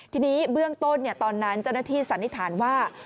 ทีนี้เบื้องต้นตอนนั้นเจ้าหน้าที่สันนิษฐานว่า